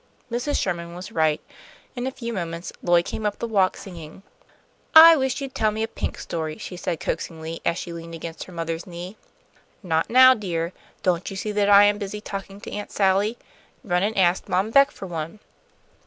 Mrs. Sherman was right. In a few moments Lloyd came up the walk, singing. "I wish you'd tell me a pink story," she said, coaxingly, as she leaned against her mother's knee. "Not now, dear; don't you see that I am busy talking to Aunt Sally? Run and ask Mom Beck for one."